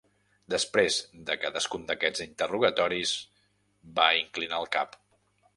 Després de cadascun d'aquests interrogatoris, va inclinar el cap.